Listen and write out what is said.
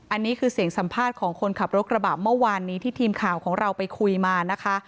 อันนี้คือเสียงสัมภาษณ์ของคนขับรถกระบะเมื่อวานนี้ที่ทีมข่าวของเราไปคุยมานะคะ